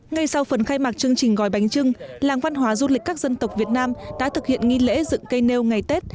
ngay sau phần khai mạc chương trình gói bánh trưng làng văn hóa du lịch các dân tộc việt nam đã thực hiện nghi lễ dựng cây nêu ngày tết